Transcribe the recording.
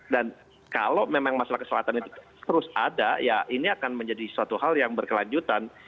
dan kalau memang masalah kesehatan itu terus ada ya ini akan menjadi suatu hal yang berkelanjutan